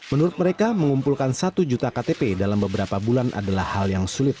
menurut mereka mengumpulkan satu juta ktp dalam beberapa bulan adalah hal yang sulit